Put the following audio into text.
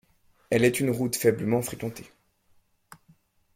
Elle est une route faiblement fréquentée.